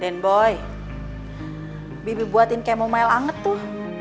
dan boy bibi buatin kemo mail anget tuh